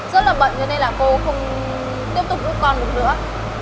cô sẽ rất là bận cho nên là cô không tiếp tục giúp con được nữa